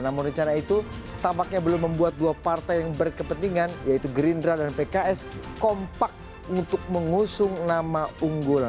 namun rencana itu tampaknya belum membuat dua partai yang berkepentingan yaitu gerindra dan pks kompak untuk mengusung nama unggulan